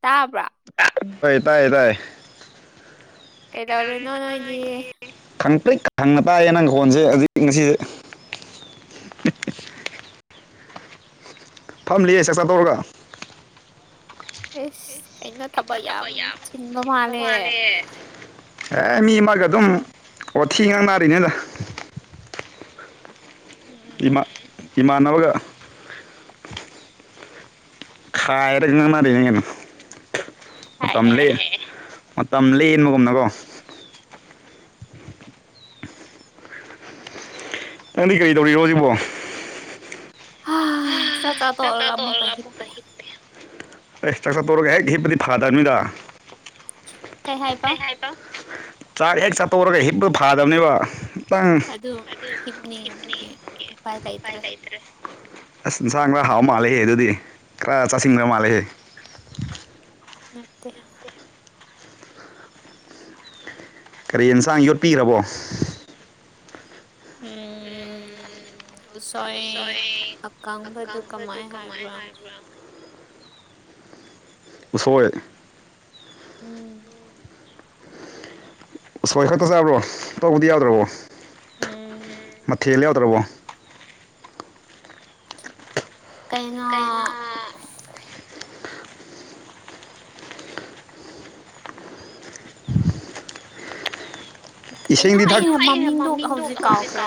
ꯇꯥꯕ꯭ꯔꯥ ꯍ ꯌꯦꯇꯥꯏ ꯌꯦ ꯇꯥꯏ ꯈꯪ ꯄ꯭ꯛ ꯈꯪꯉ ꯇꯥꯏꯌꯦ ꯅꯪꯈꯣꯟꯁꯦ ꯍꯧꯖꯤꯛ ꯉꯁꯤꯁꯦ ꯐꯝꯂꯤꯌꯦ ꯆꯥꯛ ꯆꯥ ꯇꯧꯔꯒ ꯑꯦꯁ ꯀꯩꯅꯣ ꯊꯕꯛ ꯌꯥꯝ ꯆꯤꯟꯕ ꯃꯥꯜꯂꯦ ꯑꯦ ꯃꯤ ꯑꯃꯒ ꯑꯗꯨꯝ ꯑꯣꯊꯤ ꯉꯥꯡ ꯅꯥꯔꯤꯅꯦꯗ ꯎꯝ ꯏꯃꯥ ꯏꯃꯥꯟꯅꯕꯒ ꯀꯥꯏꯔꯔꯤꯅ ꯃ ꯇꯝꯂꯦ ꯃꯇꯝ ꯂꯦꯟꯕꯒꯨꯝꯅꯀꯣ ꯅꯪꯗꯤ ꯀꯔꯤ ꯇꯧꯔꯤꯔꯣ ꯍꯧꯖꯤꯕꯣ ꯆꯆꯥ ꯇ ꯑꯣꯔꯒꯃꯨ ꯀꯍꯤ ꯄꯦ ꯑꯩ ꯏꯁꯇ꯭ꯔꯛꯁꯔ ꯇꯧꯔꯒ ꯍꯦꯛ ꯍꯤꯞꯄꯗꯤ ꯐꯥꯗꯔꯅꯤꯗ ꯀꯩ ꯍꯥꯏ ꯄ ꯍꯥꯏ ꯍꯥꯏꯕꯥꯎ ꯆꯥꯛ ꯍꯦꯛ ꯆꯥꯛꯊꯧꯔꯒ ꯍꯤꯞꯇ ꯐꯥꯗꯕꯅꯦꯕ ꯑꯗꯨ ꯍꯤꯞꯅꯤꯡꯕꯒꯤ ꯎꯄꯥꯏ ꯂꯩꯏꯇ꯭ꯔꯦ ꯑꯁ ꯟꯁꯥꯡ ꯈꯔ ꯍꯥꯎ ꯃꯥꯜꯂꯦꯍꯦ ꯑꯗꯨꯗꯤ ꯈꯔ ꯆꯥꯁꯤꯁꯤꯡꯗ꯭ꯔ ꯃꯥꯜꯂꯦꯍꯦ ꯅꯠꯇ ꯀꯔꯤ ꯌꯦꯟꯁꯥꯡ ꯌꯣꯠꯄꯤꯈ꯭ꯔꯕꯣ ꯎꯝ ꯎꯁꯋꯥ ꯑꯀꯪꯕꯗꯨꯣ ꯀꯃꯥꯏ ꯍꯥꯏꯕ꯭ꯔꯥ ꯎꯁꯣꯏ ꯎꯝ ꯑꯁꯣꯏ ꯈꯛꯇ ꯆꯥꯕ꯭ꯔꯣ ꯇꯣꯛꯧꯕꯗꯤ ꯌꯥꯎꯗ꯭ꯔꯕꯣ ꯃꯊꯦꯜ ꯌꯥꯎꯗ꯭ꯔꯕꯣ ꯀꯩꯅꯣ ꯀꯩꯅꯣꯔꯦ ꯃꯃꯤꯡꯗꯨꯒ ꯍꯧꯖꯤꯛ ꯀꯥꯎꯈ꯭ꯔꯦ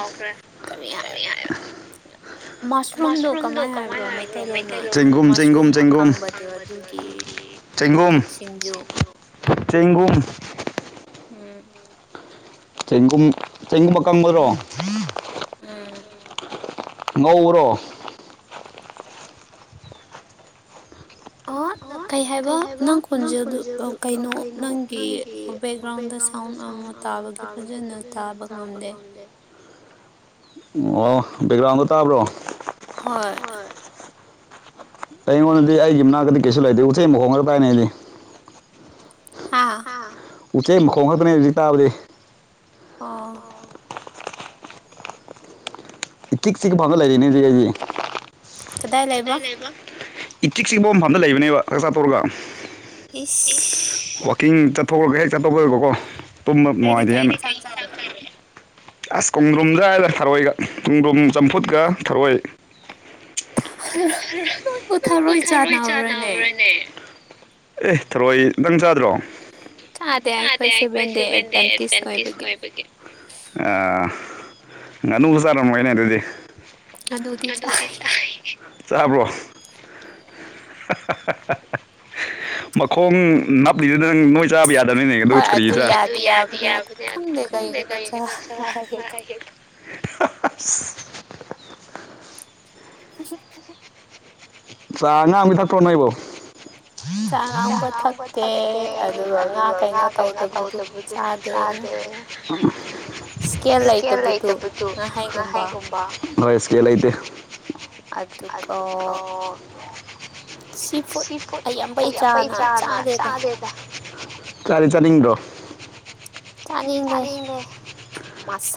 ꯀꯔꯤ ꯍꯥꯏꯕ ꯃꯁꯔꯨꯝꯗꯣ ꯀꯃꯥꯏꯅ ꯍꯥꯏꯕ꯭ꯔꯣ ꯃꯩꯇꯩꯂꯣꯟꯅ ꯃꯁꯔꯨꯝ ꯑꯀꯥꯡꯕꯗꯣ ꯑꯗꯨꯒꯤ ꯟꯖꯨ ꯆꯦꯡꯒꯨꯝ ꯎꯝ ꯆꯦꯡꯒꯨꯝ ꯆꯦꯡꯒꯨꯝꯕ ꯀꯥꯡꯪꯕꯔꯣ ꯎꯝ ꯉꯧꯔꯣ ꯑ ꯀꯩ ꯍꯥꯏꯕ ꯅꯪ ꯈꯨꯣꯟꯁꯦ ꯑꯗꯨ ꯀꯩꯅꯣ ꯅꯪꯒꯤ ꯕꯦꯛꯒ꯭ꯔꯥꯎꯟꯗ ꯁꯥꯎꯟ ꯑꯃ ꯇꯥꯕꯒꯤ ꯐꯖꯅ ꯇꯥꯕ ꯉꯝꯗꯦ ꯑꯣ ꯕꯦꯛꯒ꯭ꯔꯥꯎꯟꯗꯣ ꯇꯥꯕ꯭ꯔꯣ ꯍꯣꯏ ꯑꯩꯉꯣꯟꯗꯗꯤ ꯑꯩꯒꯤ ꯃꯅꯥꯛꯇꯗꯤ ꯀꯩꯁꯨ ꯂꯩꯇꯦ ꯎꯆꯦꯛ ꯑꯃ ꯃꯈꯨꯣꯡꯉꯒ ꯀꯥꯏꯅꯩꯅꯤ ꯍꯥ ꯎꯆꯦꯛ ꯃꯈꯣꯡ ꯈꯛꯄꯅꯦ ꯍꯧꯖꯤꯛ ꯇꯥꯕꯗꯤ ꯑꯥ ꯏ ꯆꯤꯛ ꯆꯤꯛꯄ ꯐꯥꯎꯗ ꯂꯩꯔꯤꯅꯦ ꯍꯧꯖꯤ ꯑꯩꯁꯤ ꯏꯇꯤꯛ ꯆꯤꯛꯄ ꯃꯐꯝꯝꯗ ꯂꯩꯕꯅꯦꯕ ꯆꯥꯛꯆꯥ ꯇꯧꯔꯒ ꯑꯣꯦ ꯀꯪ ꯆꯠꯊꯣꯛꯈꯒ ꯍꯦꯛ ꯆꯠꯇꯊꯣꯛ ꯑꯣꯏꯕꯀꯣ ꯇꯨꯝꯕ ꯅꯨꯡꯉꯥꯏꯇꯦ ꯌꯥꯝꯅꯤ ꯆꯔꯦ ꯑꯁ ꯀꯣꯡꯗ꯭ꯔꯨꯝꯗꯖ ꯍꯥꯏꯗ ꯊꯔꯣꯏꯒ ꯀꯣꯡꯗ꯭ꯔꯨꯝ ꯆꯝꯐꯨꯠꯀ ꯊꯔꯣꯏ ꯇ ꯀꯣꯊꯥꯔꯣꯏ ꯆ ꯅꯕ꯭ꯔꯦꯅꯦ ꯑꯦ ꯊꯧꯔꯣꯏ ꯅꯪ ꯆꯥꯗ꯭ꯔꯣ ꯀꯥꯗꯦꯏ ꯀꯣꯏꯁꯕꯦꯟꯗꯦ ꯑꯦꯚꯇꯤꯁ ꯀꯕꯒꯦ ꯑ ꯉꯥꯅꯨꯕꯨ ꯆꯥꯔꯝꯃꯒꯩꯅꯦ ꯑꯗꯨꯗꯤ ꯆꯥꯕ꯭ꯔꯣ ꯑ ꯃꯈꯈꯣꯡ ꯅꯅꯥꯞ ꯂꯤꯗꯨ ꯅ ꯅꯣꯏ ꯆꯥꯕ ꯌꯥꯗꯕꯅꯤ [inaudible] [inaudible] ꯆꯉ ꯑꯃꯃꯤ ꯊꯥꯛꯇ꯭ꯔ ꯅꯥꯏꯕ ꯉꯥꯡꯕ ꯊꯛꯇꯦ ꯑꯗꯨꯒ ꯉꯥ ꯀꯩꯅ ꯇꯧꯗꯕꯗꯤ ꯆꯥꯗꯦ ꯏꯁꯦꯂꯥꯏꯇ ꯄꯨꯠꯇ ꯍꯥꯏ ꯍꯣꯏ ꯏꯁꯀꯦ ꯂꯩꯇꯦ ꯁꯤ ꯑꯝꯕꯩ ꯆꯥꯅꯥ ꯆꯥꯗꯦ ꯆꯗꯤ ꯆ [unintelligible]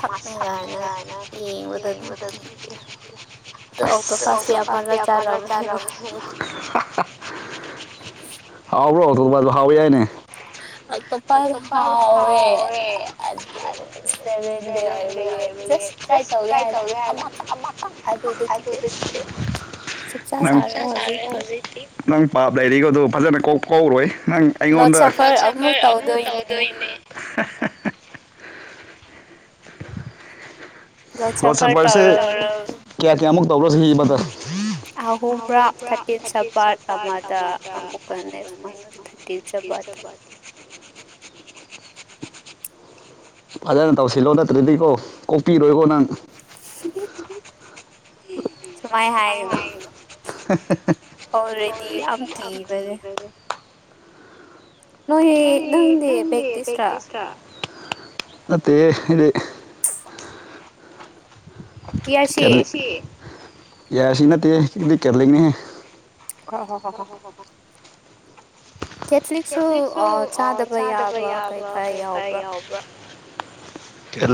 ꯃꯁꯛꯅ‌ꯦ ꯀꯥꯏꯅꯥ ꯌ‌ꯦꯡꯕꯗꯗꯤ ꯑꯣ ꯐꯥꯄꯤꯤ ꯑꯃꯅ ꯇꯥꯔ [unintelligible] ꯍꯥꯎꯕ꯭ꯔꯣ ꯑꯇꯣꯄꯁꯗꯣ ꯍꯥꯎꯋꯤ ꯍꯥꯏꯅꯦ ꯑꫭꯇꫭꯞꯄꯁ ꯍꯥꯎꯋꯦ ꯑꯗꯨ ꯁꯦꯕꯟ ꯗꯦ ꯑꯣꯏꯕꯒꯤ ꯖꯁ ꯇ꯭ꯔꯥꯏ ꯇꯧꯗꯦ ꯍꯥꯏꯗ ꯑꯃ ꯈꯛꯇꯪ ꯑꯗꯨꯗ [unintelligible] ꯅꯪ ꯆꯥ ꯆꯔꯦ ꯍꯧꯖꯤꯛꯇꯤ [unintelligible] ꯅꯪ ꯄꯥꯕ ꯂꯥꯏꯔꯤꯛ ꯑꯗꯨ ꯐꯖꯅ ꯀꯣꯛ ꯐꯧꯔꯣꯏ ꯅꯪ ꯑꯩꯉꯣꯟꯗ ꯂꯣꯠ ꯁꯥꯐꯔ ꯑꯃꯨꯛ ꯇꯧꯗꯣꯏꯅꯦ [unintelligible] ꯂꯣꯔꯠ ꯁꯦꯄꯔꯁꯦ ꯀꯌꯥ ꯀꯌꯥꯃꯨꯛ ꯇꯧꯕꯔꯣ ꯆꯍꯤ ꯑꯃꯗ ꯑꯍꯨꯝꯔꯥ ꯊꯥꯔꯇꯤꯟ ꯁꯦꯚꯔꯠ ꯑꯃꯗ ꯑꯃꯨꯛꯀ ꯅꯦꯛꯁ ꯃꯟ ꯇ ꯆꯕ [inaudible] ꯐꯖꯅ ꯇꯧꯁꯤꯜꯂꯣ ꯅꯠꯇ꯭ꯔꯗꯤꯀꯣ ꯀꯣꯛꯄꯤꯔꯣꯏꯀꯣ ꯅꯪ [unintelligible] [unintelligible] [unintelligible] ꯅꯣꯏ ꯅꯪꯗꯤ ꯄꯛꯇꯤꯁ꯭ꯔ ꯑꯠꯇ‌ꯦꯍ‌ꯦ ꯌꯥꯔꯦꯁꯦ ꯅꯠꯇꯦꯍꯦ ꯁꯤꯗꯤ ꯀꯦꯔꯂꯤꯡꯅꯤꯍꯦ [unintelligible] ꯍꯣ ꯍꯣ ꯍꯣ [unintelligible] ꯀꯦꯊꯂꯤꯛꯁꯨ ꯑꯥ ꯆꯥꯗꯕ ꯌꯥꯕ ꯀꯩ ꯀꯔ ꯌꯥꯎꯕ꯭ꯔꯥ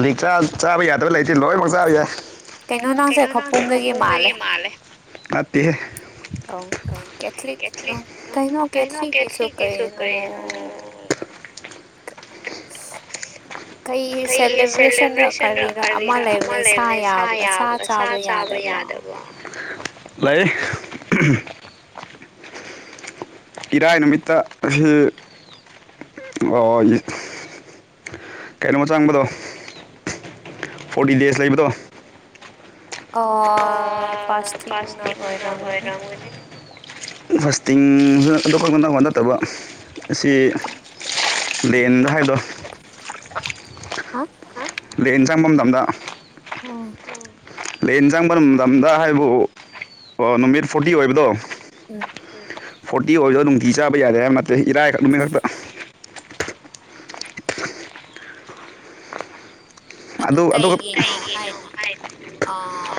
ꯂꯤꯛ ꯆꯥ ꯆꯥꯕ ꯌꯥꯗꯕ ꯂꯩꯇꯦ ꯂꯣꯏꯅꯃꯛ ꯆꯥꯕ ꯌꯥꯏ ꯀꯩꯅꯣ ꯅꯪ ꯈꯧꯄꯣꯝꯗꯒꯤ ꯃꯥꯜꯂꯦ ꯅꯠꯇꯦꯍꯦ ꯑꯧ ꯀꯦꯊꯂꯤꯛ ꯀꯩꯅꯣ ꯀꯦꯊꯂꯤꯛ ꯀꯤꯁꯨ ꯀꯩꯅꯣ [unintelligible] ꯀꯩ ꯁꯦꯂꯦꯕ꯭ꯔꯦꯁꯟꯔꯥ ꯀꯔꯤꯔ ꯑꯃ ꯂꯩꯕꯅꯦ ꯁꯥ ꯌꯥꯝ ꯁꯥ ꯆꯥꯕ ꯌꯥꯗꯕ ꯂꯩ ꯏꯔꯥꯏ ꯅꯨꯃꯤꯠꯇ ꯑꯁꯤ ꯑꫭ ꯀꯩꯩꯅꯣꯃ ꯆꯪꯕꯗꯣ ꯐꯣꯔꯇꯤ ꯗꯦꯖ ꯂꯩꯕꯗꯣ ꯑꯥ [unintelligible] ꯄꯥꯁꯇꯤꯡꯒ ꯑꯣꯏꯔꯝꯒꯅꯤ [unintelligible] ꯐꯥꯁꯇꯤꯡꯗ ꯑꯗꯨ ꯈꯛꯂꯥ ꯅꯠꯇꯕꯥ [unintelligible] ꯑꯁꯤ ꯂꯦꯟꯗ ꯍꯥꯏꯗꯣ [unintelligible] ꯂꯦꯟ ꯆꯪꯕ ꯃꯇꯝꯗ ꯎꯝ ꯂꯦꯟ ꯆꯪꯕ ꯃꯇꯝꯗ ꯍꯥꯏꯕꯨ ꯑꯣ ꯅꯨꯃꯤꯠ ꯐꯣꯔꯇꯤ ꯑꯣꯏꯕꯗꯣ ꯎꯝ ꯐꯣꯔꯇꯤ ꯑꯣꯏꯕꯗꫭ ꯅꯨꯡꯇꯤ ꯆꯥꯕ ꯌꯥꯗ‌ꯦ ꯍꯥꯏꯕ ꯅꯠꯇꯦ ꯏꯔꯥꯏꯈꯛ ꯅꯨꯃꯤꯠ ꯈꯛꯇ [inaudible] ꯑꯗꯨ ꯀꯩꯒꯤꯅꯣ ꯍꯥꯏꯗꯤ ꯑꯥ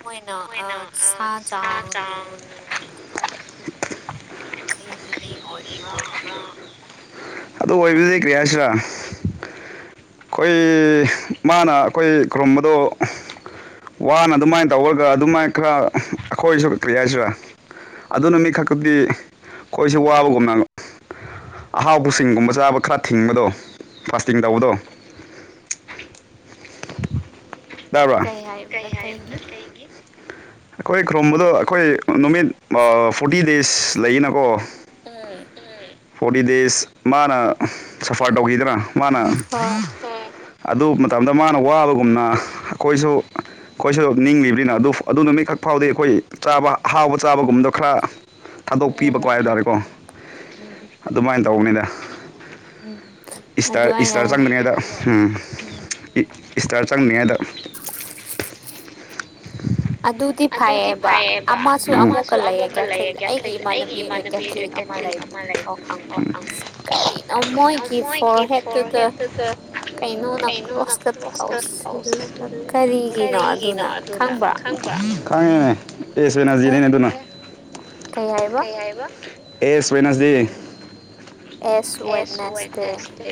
ꯃꯣꯏꯅ ꯑꯥ ꯁꯥꯥ ꯆꯥꯒꯅꯨ ꯑꯗꯨ ꯍꯥꯏꯕꯗꯨ ꯀꯩꯒꯤ ꯑꯣꯏꯕ꯭ꯔꯥ ꯑꯗꯨ ꯑꯣꯏꯕꯗꯨꯗꯤ ꯀꯔꯤ ꯍꯥꯏꯁꯤꯔꯥ ꯑꯩꯈꯣꯏ ꯃꯥꯅ ꯑꯩꯈꯣꯏ ꯈꯨꯔꯨꯝꯕꯗꯣ ꯋꯥꯅ ꯑꯗꯨꯃꯥꯏꯅ ꯇꯧꯔꯒ ꯑꯗꯨꯃꯥꯏꯅ ꯈꯔ ꯑꯩꯈꯣꯏꯁꯨ ꯀꯔꯤ ꯍꯥꯏꯁꯤꯔꯥ ꯑꯗꯨꯅ ꯃꯤ ꯈꯛꯇꯗꯤ ꯑꯩꯈꯣꯏꯁꯦ ꯋꯥꯕꯒꯨꯝꯅ ꯑꯍꯥꯎꯕꯁꯤꯡꯒꯨꯝꯕ ꯆꯥꯕ ꯈꯔ ꯊꯤꯡꯕꯗꯣ ꯐꯥꯁꯇꯤꯡ ꯇꯧꯕꯗꯣ ꯇꯕꯔꯥ ꯀꯩꯍꯏꯕꯅꯣ ꯀꯩꯒꯤ ꯑꯩꯈꯣꯏ ꯈꯨꯔꯨꯝꯕꯗꯣ ꯑꯩꯈꯣꯏ ꯅꯨꯃꯤꯠ ꯑ ꯐꯣ꯭ꯔꯠꯇꯤ ꯗꯦꯖ ꯂꯩꯌꯦꯅꯀꯣ ꯎꯝ ꯐꯣꯔꯇꯤ ꯗꯦꯖ ꯃꯥꯅ ꯁꯐꯔ ꯇꯧꯈꯤꯗꯅ ꯃꯥꯅ ꯑꯗꯨ ꯃꯇꯝꯗ ꯃꯥꯅ ꯋꯥꯕꯒꯨꯝꯅ ꯑꯩꯈꯣꯏꯁꯨ ꯈꯣꯏꯁꯨ ꯅꯤꯡꯂꯤꯕꯔꯤꯅ ꯑꯗꯨ ꯑꯗꯨ ꯅꯨꯃꯤꯠꯈꯛ ꯐꯥꯎꯗꯤ ꯑꯩꯈꯣꯏ ꯆꯥꯕ ꯑꯍꯥꯎꯕ ꯆꯥꯕꯒꯨꯝꯕꯗꯤ ꯈꯔ ꯎ [unintelligible] ꯎꯝꯝꯝ ꯎꯝ [unintelligible] ꯑꯗꯨꯃꯥꯏꯅ ꯇꯧꯕꯅꯤꯗ ꯏꯁꯇꯥ ꯏꯁꯇꯥꯔ ꯆꯪꯕꯅꯤ [unintelligible] ꯑꯗ ꯎꯝ ꯏꯁꯇꯥꯔ ꯆꯪꯅꯤꯉꯥꯏꯗ ꯑꯗꯨꯗꯤ ꯐꯩꯌꯦꯕ ꯑꯃꯁꯨ ꯑꯃꯨꯛꯀ ꯂꯩꯌꯦ ꯀꯦꯊꯂꯤꯛ ꯑꯩꯒꯤ ꯏꯃꯥꯟꯅꯕꯤ ꯀꯦꯊꯂꯤꯛ ꯃꯣꯏꯒꯤ ꯐꯣꯔ ꯍꯦꯇꯨꯗ ꯀꯩꯅꯣ ꯅꯞ ꯇꯔꯣꯛꯁꯀ ꯇꯧꯁꯤꯟꯗꯨꯅ ꯀꯔꯤꯒꯤꯅꯣ ꯑꯗꯨꯅ ꯈꯪ [unintelligible] ꯈꯥꯡꯉꯦꯅꯦ [unintelligible] ꯑꯗꯨꯅ ꯀꯩ ꯍꯥꯏꯕ ꯑꯦꯁ ꯋꯦꯟꯅꯁꯗꯦ ꯑꯦꯁ ꯋꯦꯟꯅꯁꯗꯦ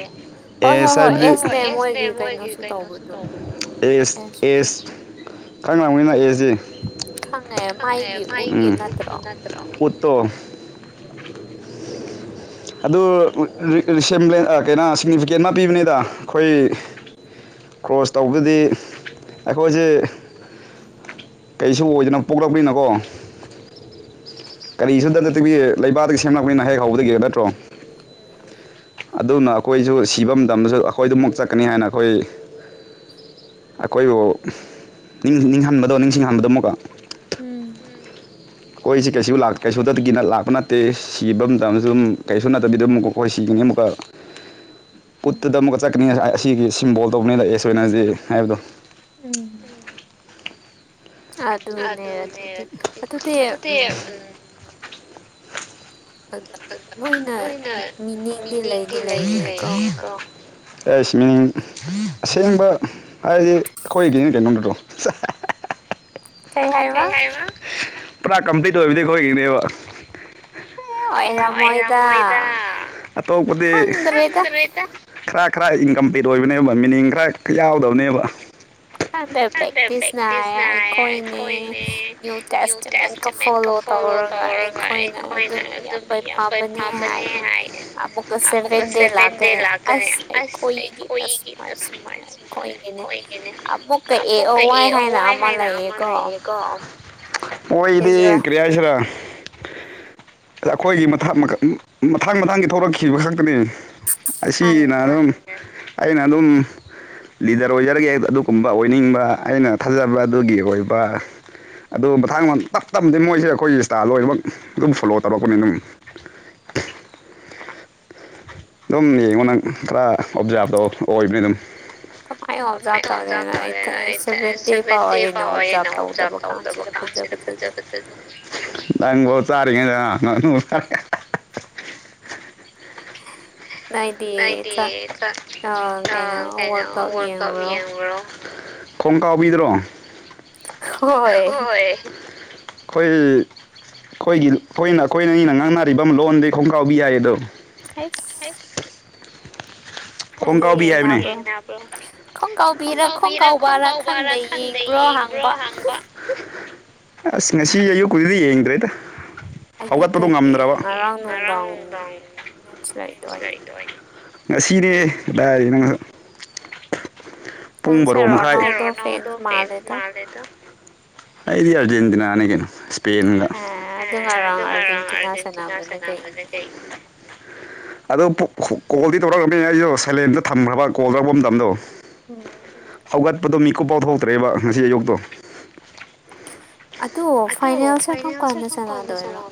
ꯑꯦꯁ ꯍꯥꯏꯕꯗꯤ ꯃꯣꯏꯗꯣ ꯑꯦꯁꯅꯦ ꯃꯣꯏꯒꯤ ꯀꯩꯅꯣꯁꯨ ꯇꯧꯕꯗꯣ ꯑꯦꯁ ꯑꯦꯁ ꯈꯪꯂꯝꯒꯅꯤꯆ ꯑꯦꯁꯘꯤ [unintelligible] ꯎꯝ ꯑꯗꯨ ꯔꯤꯁꯦꯝꯕ꯭ꯟ ꯑ ꯀꯩꯅ ꯁꯤꯛꯅꯤꯐꯤꯀꯦꯟ ꯑꯃ ꯄꯤꯕꯅꯤꯗ ꯑꯩꯈꯣꯏ ꯈ꯭ꯔꯣꯁ ꯇꯧꯕꯗꯤ ꯑꯩꯈꯣꯏꯁꯦ ꯀꯩꯁꯨ ꯑꯣꯏꯗꯅ ꯄꯣꯛꯂꯛꯄꯅꯤꯅꯀꯣ ꯎꯝ ꯀꯔꯤꯁꯨꯗ ꯅꯠꯇꯕꯤ ꯂꯩꯕꯥꯛꯇꯒꯤ ꯁꯦꯝꯂꯛꯄꯅꯤꯅ ꯍꯦꯛ ꯍꯧꯕꯗꯒꯤ ꯅꯠꯇ꯭ꯔꯣ ꯎꯝ ꯑꯗꯨꯅ ꯑꯩꯈꯣꯏꯁꯨ ꯁꯤꯕ ꯃꯇꯝꯗꯁꯨ ꯑꯩꯈꯣꯏꯗꯨꯃꯛ ꯆꯠꯀꯅꯤ ꯍꯥꯏꯅ ꯑꯩꯈꯣꯏ ꯑꯩꯈꯣꯏꯕꯨ ꯅꯤꯡ ꯅꯤꯡꯍꯟꯕꯗꯣ ꯅꯤꯡꯁꯤꯡꯍꯟꯕꯗꯨ ꯑꯃꯨꯛꯀ ꯎꯝ ꯑꯩꯈꯣꯏꯁꯤ ꯀꯩꯁꯨ ꯂꯥꯛ ꯀꯩꯁꯨꯇꯗꯒꯤꯅ ꯂꯥꯛꯄ ꯅꯠꯇꯦ ꯁꯤꯕ ꯃꯇꯝꯗꯁꯨ ꯀꯩꯁꯨ ꯅꯠꯇꯕꯤꯗ ꯃꯨꯛꯀꯣ ꯑꯩꯈꯣꯏ ꯁꯤꯒꯤꯅꯤ ꯃꯨꯛꯀ ꯀꯨꯠꯇꯨꯗ ꯑꯃꯨꯛꯀ ꯆꯠꯀꯅꯤ ꯑꯁꯤꯒꯤ ꯁꯤꯝꯕꯣꯜ ꯇꯧꯕꯅꯤꯘ ꯑꯦꯁ ꯋꯦꯠꯅꯁꯘꯦ ꯍꯥꯏꯕꯗꯣ ꯎꯝ ꯑꯗꯨꯅꯦ ꯑꯗꯨꯗꯤ ꯑꯗꯨꯗꯤ ꯎꯝ ꯂꯣꯏꯅ ꯃꯤꯅꯤꯡꯗꯤ ꯂꯩꯗꯤ ꯂꯩꯌꯦꯀꯣ ꯑꯦ ꯁꯤ ꯃꯤꯅꯤꯡ ꯑꯁꯦꯡꯕ ꯍꯥꯏꯗꯤ ꯑꯩꯈꯣꯏꯒꯤꯅꯤ ꯀꯩꯅꯣꯝꯃꯗꯣ ꯀꯩ ꯍꯥꯏꯕ ꯄꯨꯔꯥ ꯀꯝꯄ꯭ꯂꯤꯠ ꯑꯣꯏꯕꯤꯗꯤ ꯈꯣꯏꯒꯤꯅꯦꯕ - [unintelligible] ꯑꯣꯏꯔꯝꯃꯣꯏꯗ ꯑꯇꯣꯞꯄꯗꯤ ꯈꯪꯗ꯭ꯔꯦꯗ ꯈꯔ ꯈꯔ ꯏꯟꯀꯝꯄ꯭ꯂꯤꯠ ꯑꯣꯏꯕꯅꯦꯕ ꯃꯤꯅꯤꯡ ꯈꯔ ꯌꯥꯎꯗꯕꯅꯦꯕ [unintelligible] ꯇꯧꯔꯒ ꯑꯩꯈꯣꯏꯅ ꯑꯗꯨꯝ ꯏꯌꯥꯝꯕꯩ ꯐꯕꯅꯦ ꯍꯥꯏ ꯃꯨꯛꯀ ꯁꯦꯕꯦꯟꯗꯦ ꯂꯥꯛꯀꯅꯤ ꯑꯁ ꯑꯩꯈꯣꯏꯒꯤꯅ ꯁꯨꯃꯥꯏ ꯁꯨꯃꯥꯏ ꯈꯣꯏꯒꯤꯅꯦ ꯑ ꯑꯃꯨꯛꯀ ꯑꯦꯑꯣꯋꯥꯏ ꯍꯥꯏꯅ ꯑꯃ ꯂꯩꯌꯦꯀꯣ ꯃꯣꯏꯗꯤ ꯀꯔꯤ ꯍꯥꯏꯁꯤꯔꯥ ꯑꯩꯈꯣꯏꯒꯤ ꯃꯊꯥ ꯃꯊꯥꯡ ꯃꯊꯥꯡꯒꯤ ꯊꯣꯛꯔꯛꯈꯤꯕ ꯈꯛꯇꯅꯤ ꯑꯁꯤꯅ ꯑꯗꯨꯝ ꯑꯩꯅ ꯑꯗꯨꯝ ꯂꯤꯗꯔ ꯑꯣꯏꯖꯔꯒꯦ ꯑꯗꯨꯒꯨꯝꯕ ꯑꯣꯏꯅꯤꯡꯕ ꯑꯩꯅ ꯊꯥꯖꯕ ꯑꯗꯨꯒꯤ ꯑꯣꯏꯕ ꯑꯗꯨ ꯃꯊꯥꯡ ꯇꯞ ꯇꯞꯗꯤ ꯃꯣꯏꯁꯦ ꯑꯩꯈꯣꯏꯒꯤ ꯏꯟꯁꯇꯥ ꯂꯣꯏꯅꯃꯛ ꯑꯗꯨꯝ ꯐꯣꯂꯣ ꯇꯧꯔꯛꯄꯅꯤ ꯑꯗꯨꯝ ꯑꯗꯨꯝ ꯌꯦꯡꯉꯣꯟ ꯅꯪ ꯈꯔ ꯑꯣꯞꯖꯥꯕ ꯇꯧ ꯑꯣꯏꯕꯅꯤ ꯑꯗꯨꯝ [unintelligible] ꯅꯪꯕꯣ ꯆꯔꯤꯉꯩꯘ [unintelligible] ꯅꯗꯤ ꯀꯩꯅꯣ ꯋꯥꯔꯀꯞ ꯌꯦꯡꯕ꯭ꯔꯣ [unintelligible] ꯈꯣꯡꯀꯧꯕꯤꯗ꯭ꯔꯣ ꯍꯣꯏ ꯑꯩꯈꯣꯏ ꯑꯩꯈꯣꯏꯒꯤ ꯑꯩꯈꯣꯏꯅ ꯑꯩꯈꯣꯏꯅ ꯑꯩꯅ ꯉꯥꯡꯅꯔꯤꯕ ꯂꯣꯟꯗꯤ ꯈꯣꯡꯒ꯭ꯔꯥꯎꯕꯤ ꯌꯥꯏꯌꯦ ꯑꯗꯣ ꯍꯩꯁ ꯈꯣꯡꯀꯥꯎꯕꯤ ꯍꯥꯏꯕꯅꯦ ꯈꯣꯡꯀꯥꯎꯕꯤꯔ ꯈꯣꯡꯀꯥꯎꯕꯔꯥ ꯈꯪꯗꯦ ꯌꯦꯡꯕ꯭ꯔꯣ ꯍꯪꯕ [unintelligible] [unintelligible] ꯑꯁ ꯉꯁꯤ ꯑꯌꯨꯛꯀꯨꯏꯗꯤ ꯌꯦꯡꯗ꯭ꯔꯦꯗ ꯑꯌꯨꯛ ꯀꯩꯒꯤ ꯉꯔꯥꯡ ꯅꯨꯡꯗꯥꯡ ꯃꯦꯠꯆ ꯂꯩꯗꯣꯋꯥꯗꯤ ꯉꯁꯤꯅꯦ ꯀꯗꯥꯏꯗꯩꯅꯣ ꯄꯨꯡ ꯚꯥꯔꯣ ꯃꯈꯥꯏ ꯑꯩꯗꯤ ꯑꯔꯖꯦꯟꯇꯤꯅꯥꯅꯤ ꯀꯩꯅꯣ ꯏꯁꯄꯒ ꯑꯗꯨ ꯉꯔꯥꯡ ꯑꯔꯖꯦꯟꯇꯤꯅꯥ ꯁꯅ ꯀꯩ ꯑꯗꯨ ꯀꯣꯜꯗꯤ ꯇꯧꯔꯛꯑꯃꯦ ꯑꯩꯁꯨ ꯁꯥꯏꯂꯦꯟꯗ ꯊꯝꯈ꯭ꯔꯕ ꯀꯣꯜ ꯇꯧꯔꯛꯄ ꯃꯇꯝꯗꯣ ꯎꯝ ꯍꯧꯒꯠꯄꯗꯣ ꯃꯤꯀꯨꯞ ꯄꯥꯎ ꯊꯣꯛꯇ꯭ꯔꯦꯕ ꯉꯁꯤ ꯑꯌꯨꯛꯇꯣ ꯑꯗ ꯐꯥꯏꯅꯦꯜꯁꯦ ꯀꯔꯝ ꯀꯥꯟꯗ ꯁꯥꯟꯅꯗꯣꯏꯔꯣ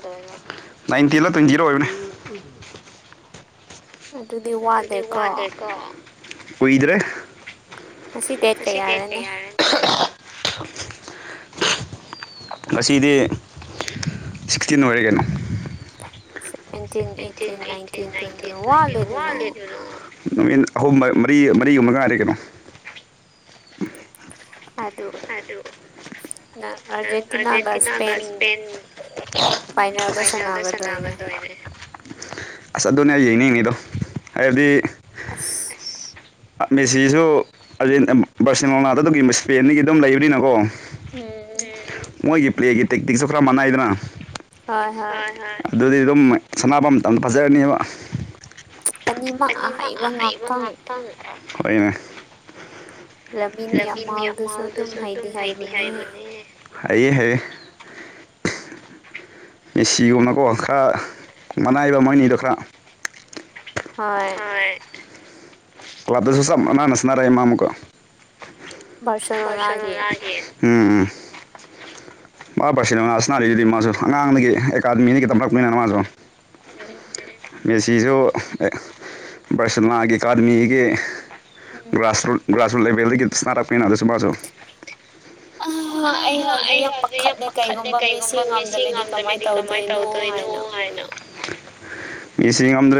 ꯅꯥꯏꯟꯇꯤꯟꯂ ꯇ꯭ꯋꯦꯟꯤꯔ ꯑꯣꯏꯕꯅꯤ ꯑꯗꯨꯗꯤ ꯋꯥꯠꯂꯦꯀꯣ ꯀꯣꯏꯗ꯭ꯔꯦ [unintelligible] ꯉꯁꯤꯗꯤ ꯁꯤꯛꯁꯇꯤꯟ ꯑꯣꯏꯔꯒꯩꯅꯣ ꯁꯟꯇꯇ ꯅꯟꯇ ꯇꯋꯦꯟꯇꯤ ꯋꯥꯦ ꯅꯨꯃꯤꯠ ꯑꯍꯨꯝ ꯃꯔꯤ ꯃꯔꯤꯒꯨꯝꯕꯉꯥꯏꯔꯦ ꯀꯩꯅꯣ ꯑ ꯑꯔꯖꯦꯟꯇꯤꯅꯥꯒ ꯁꯄꯦꯟ ꯑꯁ ꯑꯗꯨꯅꯦ ꯌꯦꯡꯅꯤꯡꯉꯤꯗꯣ ꯍꯥꯏꯕꯗꯤ ꯑꯁ ꯃꯦꯁꯤꯁꯨ ꯕꯥꯔꯁꯦꯂꯣꯅꯥꯥꯗ ꯑꯗꯨꯒꯤ ꯏꯁꯄꯦꯟꯗꯒꯤ ꯑꯗꯨꯝ ꯂꯩꯕꯅꯤꯅꯀꯣ ꯃꯣꯏꯒꯤ ꯄ꯭ꯂꯦꯒꯤ ꯇꯦꯛꯅꯤꯛꯁꯨ ꯈꯔ ꯃꯥꯟꯅꯏꯗꯅ ꯑꯗꯨꯗꯤ ꯑꯗꯨꯝ ꯁꯅꯥꯐꯝꯝꯇꯗ ꯐꯖꯔꯅꯦꯕ ꯑꯅꯤꯃꯛ ꯑꯩꯕ ꯉꯥꯛꯇꯅꯦ ꯂꯥꯃꯤꯟꯒꯤ ꯌꯥꯃꯜꯗꯨꯁꯨ ꯑꯗꯨꯝ ꯍꯩꯗꯤ ꯍꯥꯏꯕꯅꯦ ꯍꯥꯏꯌꯦ ꯍꯥꯏꯌꯦ ꯃꯦꯁꯤꯒꯨꯝꯅꯀꯣ ꯈꯔ ꯃꯅꯥꯏꯕ ꯃꯣꯏꯅꯤꯗꯣ ꯈꯔ ꯍꯣꯏ ꯍꯣꯏ ꯀ꯭ꯂꯕꯇꯁꯨ ꯆꯞ ꯃꯥꯟꯅꯅ ꯁꯥꯅꯔꯦ ꯃꯥꯃꯨꯀ ꯎꯝ ꯃꯥ ꯄꯁꯤꯅꯅꯥ ꯑꯁꯅꯥ ꯂꯩꯗꯨꯗꯤ ꯃꯥꯁꯨ ꯑꯉꯥꯡꯗꯒꯤ ꯑꯦꯀꯥꯗꯃꯤꯅꯤꯒꯤ ꯇꯝꯂꯛꯄꯅꯤꯅ ꯃꯥꯁꯨ ꯎꯝ ꯃꯦꯁꯤꯁꯨ ꯕꯥꯔꯁꯦꯂꯣꯅꯥꯒꯔ ꯑꯦꯀꯥꯗꯃꯤꯒꯤ ꯎꯝ ꯭ꯔꯥꯁꯔꯨꯠ ꯭ꯔꯥꯁꯔꯨꯠ ꯂꯦꯕꯦꯜꯗꯗꯒꯤ ꯁꯅꯅꯥꯔꯀ ꯄꯤꯅꯍꯗꯁꯨ ꯃꯥꯖꯁꯨ ꯑ ꯑꯩ ꯍꯧꯖꯤꯛ ꯌꯥꯝ ꯄꯥꯈꯠꯂꯦ ꯀꯩꯒꯨꯝꯕ ꯃꯤꯁꯤꯡ ꯉꯝꯗꯅꯗꯤ ꯀꯥꯃꯥꯏꯟ ꯇꯧꯗꯣꯏꯅꯣ ꯍꯥꯏꯅ꯫ [unintelligible]